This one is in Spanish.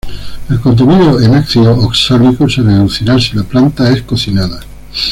El contenido en ácido oxálico se reducirá si la planta es cocinada.